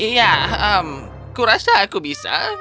ya aku rasa aku bisa